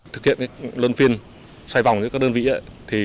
thực hiện lơn phiên xoay vòng với các đơn vị